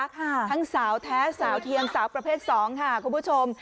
ทั้งสาวแท้สาวเทียมสาวประเภทสองค่ะคุณผู้ชม